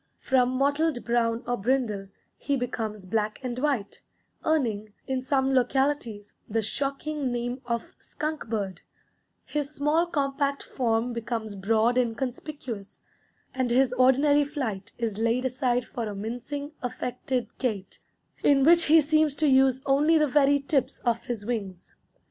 From mottled brown or brindle he becomes black and white, earning, in some localities, the shocking name of "skunk bird"; his small, compact form becomes broad and conspicuous, and his ordinary flight is laid aside for a mincing, affected gait, in which he seems to use only the very tips of his wings.